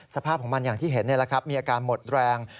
สภาพของมันอย่างที่เห็นนี่แหละครับมีอาการหมดแรง